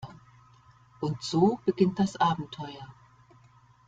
Und so beginnt das Abenteuer.